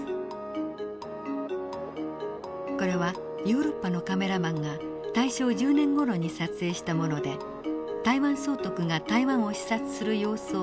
これはヨーロッパのカメラマンが大正１０年ごろに撮影したもので台湾総督が台湾を視察する様子を記録しています。